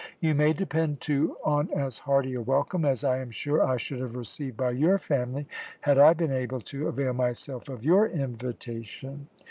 You may depend, too, on as hearty a welcome as I am sure I should have received by your family had I been able to avail myself of your invitation.